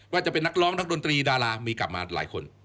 ว่าจะเป็นนักร้องนักดนตรีดารามีกลับมาหลายคน